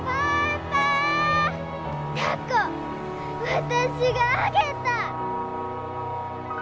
凧私があげた！